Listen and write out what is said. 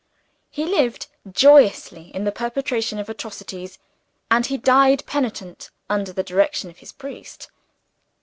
He lived joyously in the perpetration of atrocities; and he died penitent, under the direction of his priest.